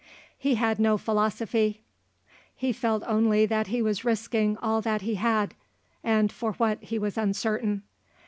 He had no philosophy; he felt only that he was risking all that he had, and for what he was uncertain.